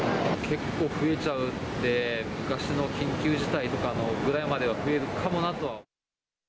結構、増えちゃって、昔の緊急事態とかのぐらいまでは増えるかもなとは。